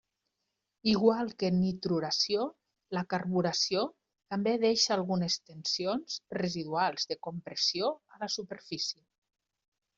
Igual que nitruració, la carburació també deixa algunes tensions residuals de compressió a la superfície.